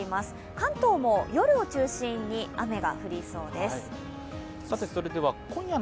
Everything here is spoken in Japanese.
関東も夜を中心に雨が降りそうです。